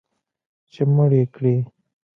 چې مړ یې کړي